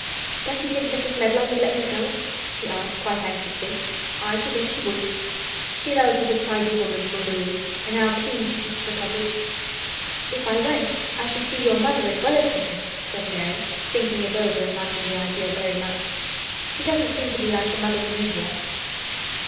"Does she think Mrs. Medlock would let me go?" she asked, quite anxiously. "Aye, she thinks she would. She knows what a tidy woman mother is and how clean she keeps the cottage." "If I went I should see your mother as well as Dickon," said Mary, thinking it over and liking the idea very much. "She doesn't seem to be like the mothers in India."